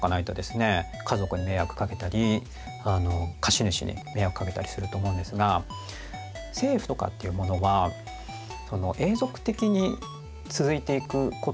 家族に迷惑かけたり貸主に迷惑かけたりすると思うんですが政府とかっていうものは永続的に続いていくことを前提にですね